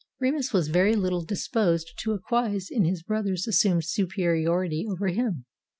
Remus was very little disposed to acquiesce in his brother's assumed superiority over him.